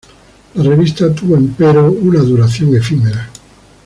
La revista tuvo, empero, una duración efímera.